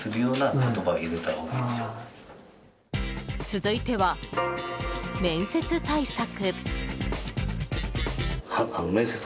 続いては面接対策。